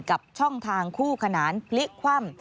กับช่องทางคู่ขนานพลิกคว่ำ